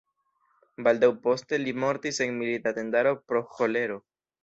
Baldaŭ poste li mortis en milita tendaro pro ĥolero.